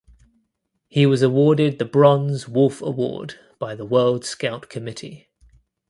He was awarded the Bronze Wolf Award by the World Scout Committee.